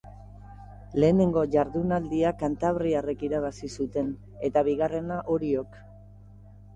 Lehenengo jardunaldia kantabriarrek irabazi zuten, eta bigarrena Oriok.